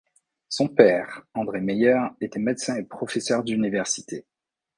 Son père, André Meyer, était médecin et professeur d'université.